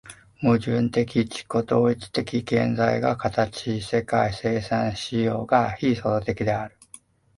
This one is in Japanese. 矛盾的自己同一的現在が形をもたない世界の生産様式が非創造的である。